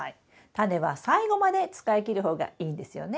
タネは最後まで使いきる方がいいんですよね？